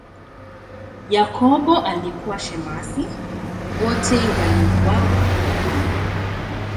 Yakobo alikuwa shemasi, wote waliuawa kwa upanga.